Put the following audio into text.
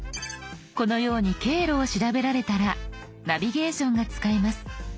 このように経路を調べられたらナビゲーションが使えます。